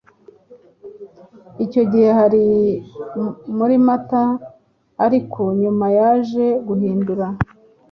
Icyo gihe hari muri Mata ariko nyuma yaje guhindura